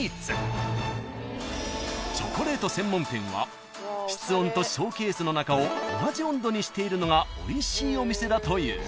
［チョコレート専門店は室温とショーケースの中を同じ温度にしているのがおいしいお店だという］